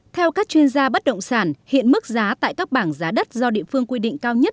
theo các chuyên gia bất động sản hiện mức giá tại các bảng giá đất do địa phương quy định cao nhất